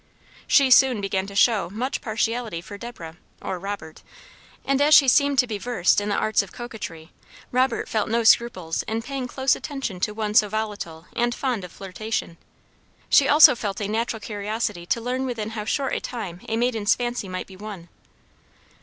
She soon began to show much partiality for Deborah (or Robert), and as she seemed to be versed in the arts of coquetry, Robert felt no scruples in paying close attention to one so volatile and fond of flirtation; she also felt a natural curiosity to learn within how short a time a maiden's fancy might be won.